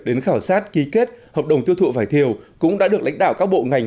đến khảo sát ký kết hợp đồng tiêu thụ vải thiều cũng đã được lãnh đạo các bộ ngành